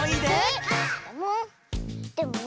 でもね